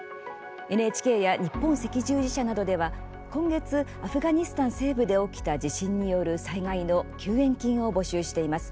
ＮＨＫや日本赤十字社などでは今月、アフガニスタン西部で起きた地震による災害の救援金を募集しています。